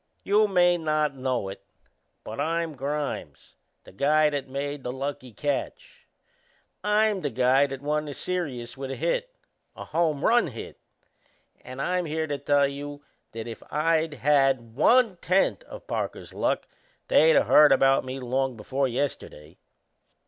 "You may not know it, but I'm Grimes, the guy that made the lucky catch. I'm the guy that won the serious with a hit a home run hit; and I'm here to tell you that if I'd had one tenth o' Parker's luck they'd of heard about me long before yesterday.